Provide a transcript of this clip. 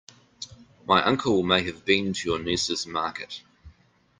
My uncle may have been to your niece's market.